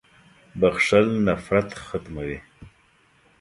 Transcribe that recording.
• بخښل نفرت ختموي.